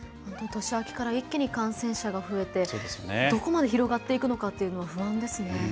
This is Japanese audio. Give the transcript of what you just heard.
本当に年明けから一気に感染者が増えてどこまで広がっていくのかというのは不安ですね。